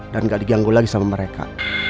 dan nggak diganggu lagi sama mereka